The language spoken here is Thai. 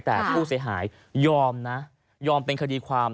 แต่ผู้เสียหายยอมนะยอมเป็นคดีความ